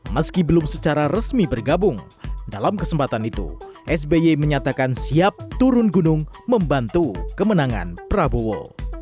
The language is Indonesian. meski belum secara resmi bergabung dalam kesempatan itu sby menyatakan siap turun gunung membantu kemenangan prabowo